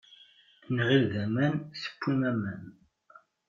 Nɣil d aman tewwim aman.